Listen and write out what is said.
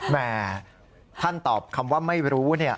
แม่ท่านตอบคำว่าไม่รู้